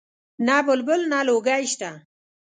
نه بلبل نه لولکۍ شته